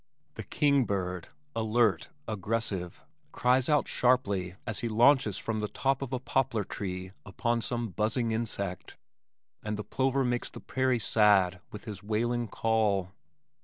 The king bird, alert, aggressive, cries out sharply as he launches from the top of a poplar tree upon some buzzing insect, and the plover makes the prairie sad with his wailing call.